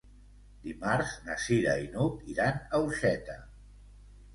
Dimarts na Cira i n'Hug iran a Orxeta.